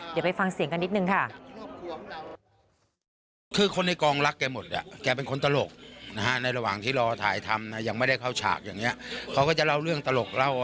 เดี๋ยวไปฟังเสียงกันนิดนึงค่ะ